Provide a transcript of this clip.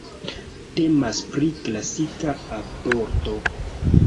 Temas pri klasika aborto.